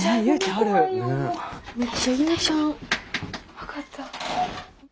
分かった。